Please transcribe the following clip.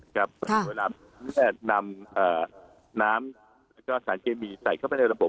กับผู้รับแนวแน่นำน้ำแล้วก็สารเคมีใส่เข้าไปในระบบ